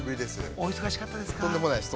◆お忙しかったですか。